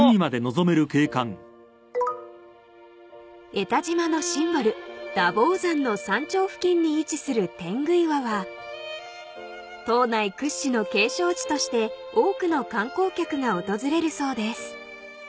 ［江田島のシンボル陀峯山の山頂付近に位置する天狗岩は島内屈指の景勝地として多くの観光客が訪れるそうです］